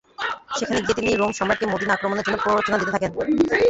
সেখানে গিয়ে তিনি রোম সম্রাটকে মদীনা আক্রমণের জন্য প্ররোচনা দিতে থাকেন।